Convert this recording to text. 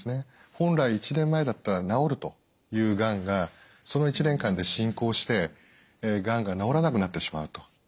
本来１年前だったら治るというがんがその１年間で進行してがんが治らなくなってしまうと。